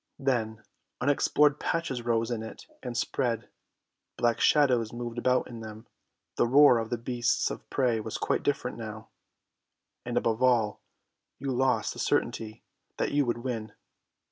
Then unexplored patches arose in it and spread, black shadows moved about in them, the roar of the beasts of prey was quite different now, and above all, you lost the certainty that you would win.